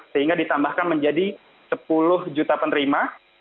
sehingga ditambahkan menjadi sepuluh juta penerima